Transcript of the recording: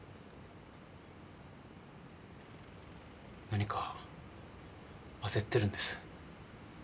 何か焦ってるんです。